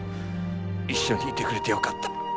一緒にいてくれてよかった。